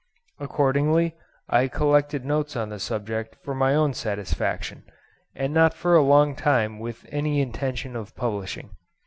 Accordingly I collected notes on the subject for my own satisfaction, and not for a long time with any intention of publishing.